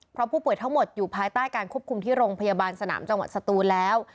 เพราะผู้ป่วยทั้งหมดอยู่ภายใต้การควบคุมที่โรงพยาบาลสนามจังหวัดสตูนแล้ว